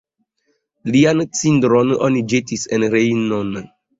Lian cindron oni ĵetis en Rejnon.